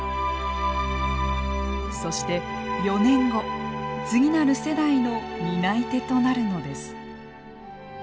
そして４年後次なる世代の担い手となるのです。